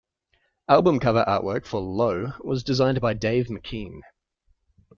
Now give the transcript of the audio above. Album cover artwork for "Low" was designed by Dave McKean.